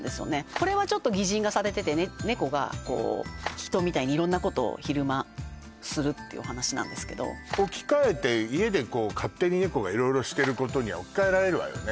これはちょっと擬人画されててねこが人みたいに色んなことを昼間するってお話なんですけど置き換えて家で勝手にねこが色々してることに置き換えられるわよね